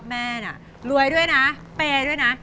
แม่น่ะรวยด้วยนะเปย์ด้วยนะ